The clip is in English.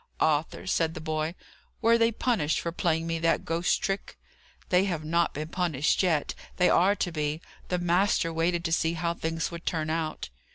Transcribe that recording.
"Arthur," said the boy, "were they punished for playing me that ghost trick?" "They have not been punished yet; they are to be. The master waited to see how things would turn out."